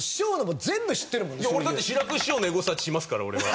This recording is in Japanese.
俺だって志らく師匠のエゴサーチしますから俺は。